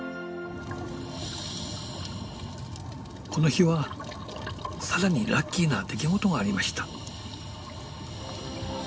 この日はさらにラッキーな出来事がありました。